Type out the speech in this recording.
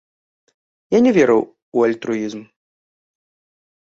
Я не веру ў альтруізм.